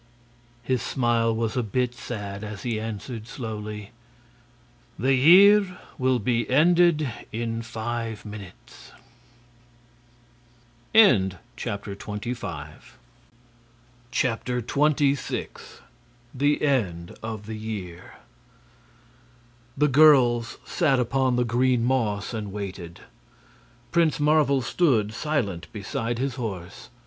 His smile was a bit sad as he answered, slowly: "The year will be ended in five minutes!" 26. The End of the Year The girls sat upon the green moss and waited. Prince Marvel stood silent beside his horse.